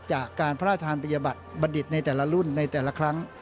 จากการพระราชทานปริยบัตรบัณฑิตในแต่ละรุ่นในแต่ละครั้ง